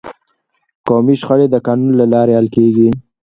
قومي شخړې د قانون له لارې حل کیږي.